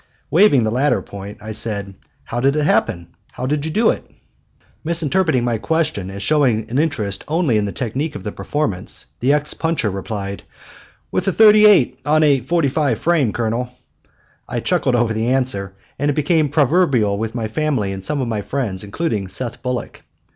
Waiving the latter point, I said: "How did it happen? How did you do it?" Misinterpreting my question as showing an interest only in the technique of the performance, the ex puncher replied: "With a .38 on a .45 frame, Colonel." I chuckled over the answer, and it became proverbial with my family and some of my friends, including Seth Bullock.